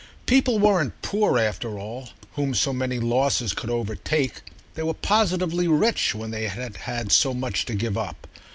People weren't poor, after all, whom so many losses could overtake; they were positively rich when they had had so much to give up.